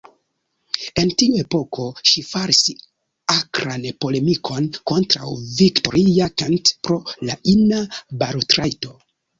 En tiu epoko ŝi faris akran polemikon kontraŭ Victoria Kent pro la ina balotrajto.